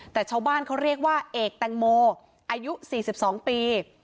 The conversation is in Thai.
แต่ชาวบ้านเขาเรียกว่าเอกแตงโมอายุ๔๒ปี